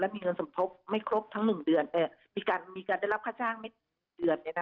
มีเงินสมทบไม่ครบทั้ง๑เดือนมีการได้รับค่าจ้างไม่เดือน